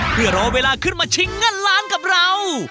เพื่อรอเวลาขึ้นมาชิงเงินล้านกับเรา